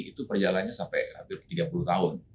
itu perjalanannya sampai hampir tiga puluh tahun